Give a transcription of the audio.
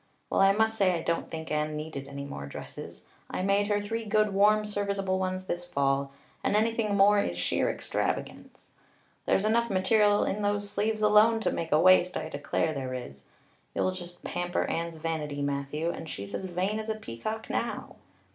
Well, I must say I don't think Anne needed any more dresses. I made her three good, warm, serviceable ones this fall, and anything more is sheer extravagance. There's enough material in those sleeves alone to make a waist, I declare there is. You'll just pamper Anne's vanity, Matthew, and she's as vain as a peacock now.